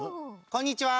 こんにちは。